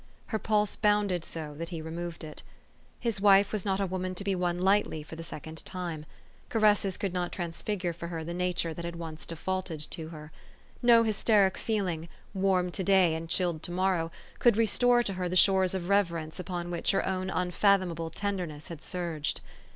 Her pulse bounded so that he removed it. His wife was not a woman to be won lightly for the second time. Caresses could not transfigure for her the nature that had once defaulted to her. No hys teric feeling, warm to day and chilled to morrow, could restore to her the shores of reverence upon which her own unfathomable tenderness had surged.